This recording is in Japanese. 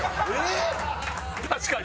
確かに。